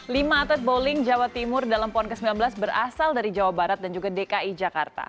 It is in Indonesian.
lima atlet bowling jawa timur dalam pon ke sembilan belas berasal dari jawa barat dan juga dki jakarta